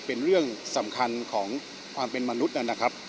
เป็นเรื่องสำคัญของความเป็นมนุษย์นะครับ